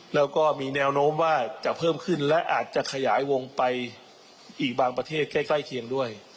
แล้วก็มีแนวโน้มว่าจะเพิ่มขึ้นและอาจจะขยายวงไปอีกบางประเทศใกล้เคียงด้วย